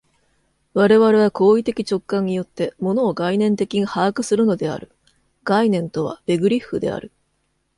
我々は行為的直観によって、物を概念的に把握するのである（概念とはベグリッフである）。